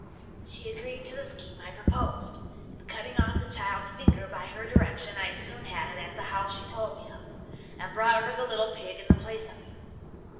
'She agreed to the scheme I proposed, and, cutting off the child's finger, by her direction I soon had it at the house she told me of, and brought her the little pig in the place of it.